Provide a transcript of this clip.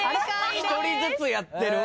１人ずつやってる。